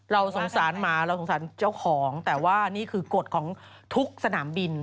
เราสงสารหมาเราสงสารเจ้าของแต่ว่านี่คือกฎของทุกสนามบิน